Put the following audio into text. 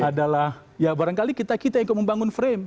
adalah ya barangkali kita kita ikut membangun frame